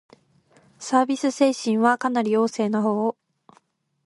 サービス精神はかなり旺盛なほう